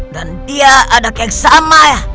dan dia anak yang sama